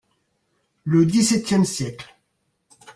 Le XVIIème siècle.